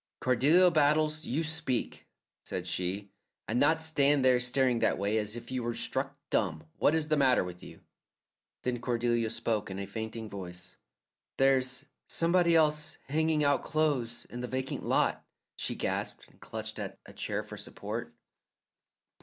"Cordelia Battles, you speak," said she, "and not stand there staring that way, as if you were struck dumb! What is the matter with you?" Then Cordelia spoke in a fainting voice. "There's somebody else hanging out clothes in the vacant lot," she gasped, and clutched at a chair for support.